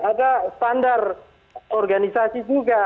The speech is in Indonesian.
ada standar organisasi juga